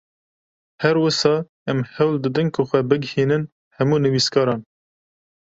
Her wisa em hewl didin ku xwe bigihînin hemû nivîskaran